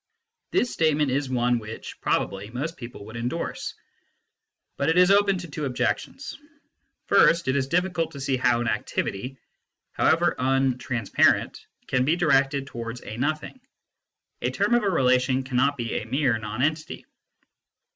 This statement is one which, probably, most people would endorse. But it is open to two objections. First it is difficult to see how an activity, however un " trans parent," can be directed towards a nothing : a term of a relation cannot be a mere nonentity.